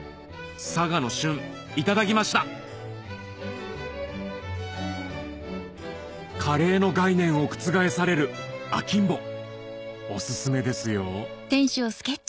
佐賀の旬いただきましたカレーの概念を覆されるアキンボお薦めですよ